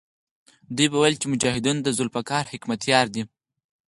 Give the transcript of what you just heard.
دوی به ویل چې مجاهدونو د ذوالفقار حکمتیار دی.